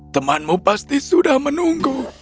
temanmu pasti sudah menunggu